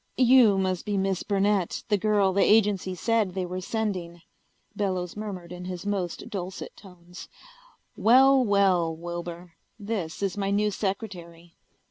"You must be Miss Burnett, the girl the agency said they were sending," Bellows murmured in his most dulcet tones. "Well, well, Wilbur, this is my new secretary."